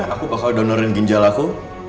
aku bakal donorin ginjal aku